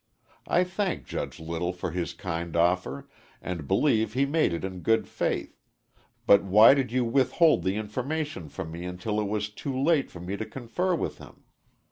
I thank Judge Little for his kind offer, and believe he made it in good faith, but why did you withhold the information from me until it was too late for me to confer with him.